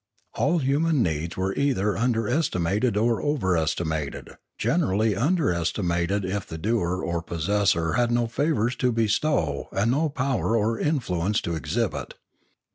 All human deeds were either under estimated or overestimated, generally underestimated if the doer or possessor had no favours to bestow and no power or influence to exhibit.